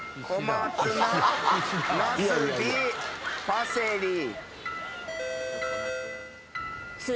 パセリ。